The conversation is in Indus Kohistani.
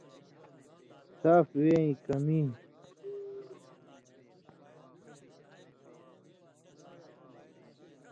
صاف وے ایں کمی۔